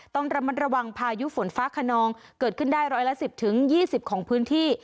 ต้องระมัดระวังพายุฝนฟ้าขนองเกิดขึ้นได้ร้อยละ๑๐๒๐ของพื้นที่